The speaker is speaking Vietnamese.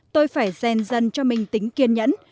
tôi phải dèn dân cho mình tính kiên nhẫn